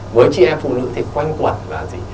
với chị em phụ nữ thì quanh quẩn và gì